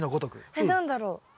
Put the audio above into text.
えっ何だろう？